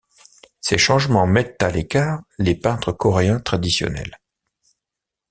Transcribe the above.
Ces changements mettent à l'écart les peintres coréens traditionnels.